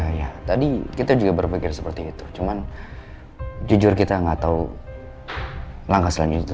iya tadi kita juga berpikir seperti itu cuman jujur kita nggak tahu langkah selanjutnya